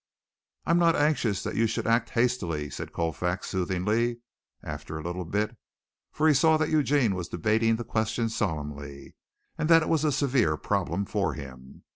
"I'm not anxious that you should act hastily," said Colfax soothingly, after a little bit, for he saw that Eugene was debating the question solemnly and that it was a severe problem for him.